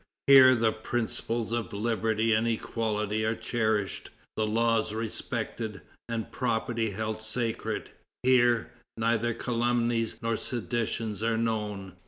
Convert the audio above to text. Here the principles of liberty and equality are cherished, the laws respected, and property held sacred; here, neither calumnies nor seditions are known."